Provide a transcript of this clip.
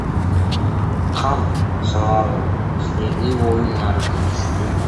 Кам санабагыла, силердин оюңарды түшүндүм.